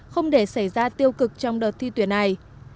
không để xảy ra tiêu cực trong đợt thi tuyển này